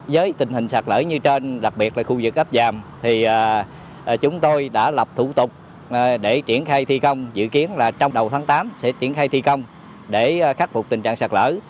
với tình hình sạt lở như trên đặc biệt là khu vực ấp vàm thì chúng tôi đã lập thủ tục để triển khai thi công dự kiến là trong đầu tháng tám sẽ triển khai thi công để khắc phục tình trạng sạt lở